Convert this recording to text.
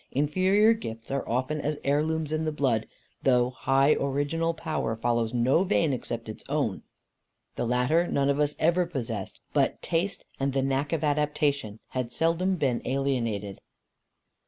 Inferior gifts are often as heirlooms in the blood, though high original power follows no vein except its own. The latter none of us ever possessed; but taste and the knack of adaptation had seldom been alienated.